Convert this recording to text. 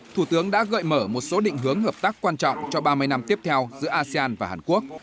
thủ tướng đã gợi mở một số định hướng hợp tác quan trọng cho ba mươi năm tiếp theo giữa asean và hàn quốc